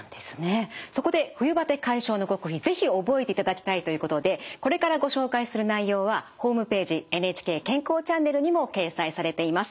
そこで冬バテ解消の極意是非覚えていただきたいということでこれからご紹介する内容はホームページ「ＮＨＫ健康チャンネル」にも掲載されています。